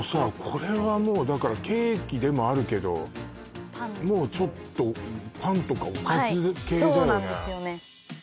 これはもうだからケーキでもあるけどパンももうちょっとパンとかはいそうなんですよね